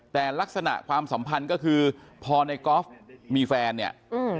แต่ลักษณะความสัมพันธ์ก็คือพอในกอล์ฟมีแฟนเนี่ยอืม